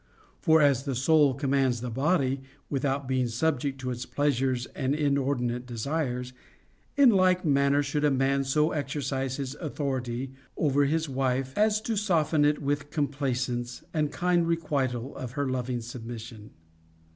For as the soul commands the body, without being subject to its pleasures and inordinate desires, in like manner should a man so exercise his authority over his wife, as to soften it with complaisance and kind requital of her loving sub mission.